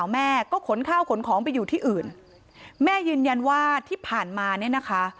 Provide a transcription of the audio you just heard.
แม่ก็ขนข้าวขนของไปอยู่ที่อื่นแม่ยืนยันว่าที่ผ่านมาเนี่ยนะคะ